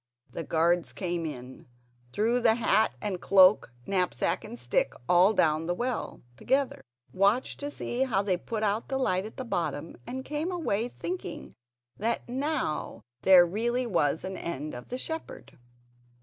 The guards came in, threw the hat and cloak, knapsack and stick all down the well together, watched to see how they put out the light at the bottom and came away, thinking that now there really was an end of the shepherd.